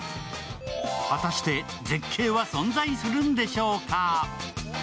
果たして絶景は存在するんでしょうか？